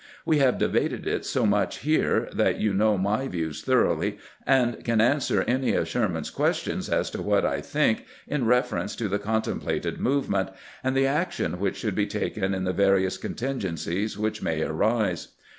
We have debated it so much here that you know my views thoroughly, and can answer any of Sher man's questions as to what I think in reference to the contemplated movement, and the action which should be taken in the various contingencies which may arise.